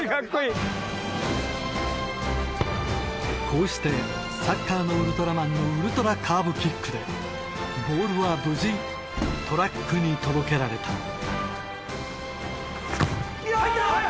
こうしてサッカーのウルトラマンのウルトラカーブキックでボールは無事トラックに届けられた入った⁉うわ！